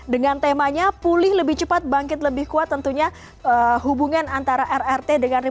dengan temanya pulih lebih cepat bangkit lebih kuat tentunya hubungan antara rrt dengan rw